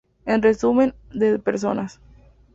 En resumen: de personas.